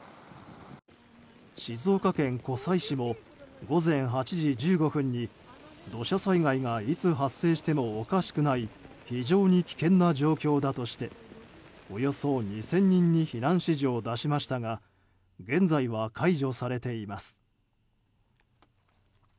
静岡県湖西市も午前８時１５分に土砂災害がいつ発生してもおかしくない非常に危険な状況だとしておよそ２０００人に避難指示を出しましたが現在は解除されています。